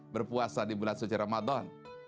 berpuasa di bulan suci ramadan